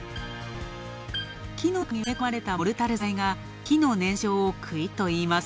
木の中に埋め込まれたモルタル材が木の燃焼を食い止めるといいます。